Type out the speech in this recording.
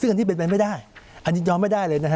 ซึ่งอันนี้เป็นไปไม่ได้อันนี้ยอมไม่ได้เลยนะฮะ